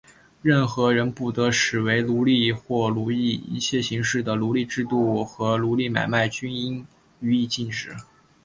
任何人不得使为奴隶或奴役;一切形式的奴隶制度和奴隶买卖,均应予以禁止。